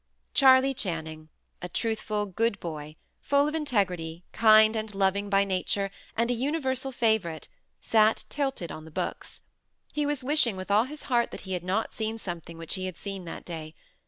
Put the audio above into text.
Charley Channing a truthful, good boy, full of integrity, kind and loving by nature, and a universal favourite sat tilted on the books. He was wishing with all his heart that he had not seen something which he had seen that day.